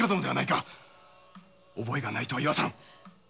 覚えがないとは言わさん！